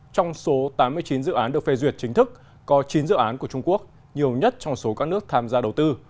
trong số tám mươi chín dự án được phê duyệt chính thức có chín dự án của trung quốc nhiều nhất trong số các nước tham gia đầu tư